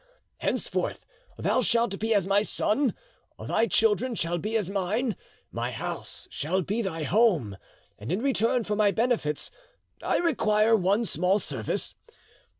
Henceforth thou shalt be as my son, thy children shall be as mine, my house shall be thy home, and in return for my benefits I require one small service.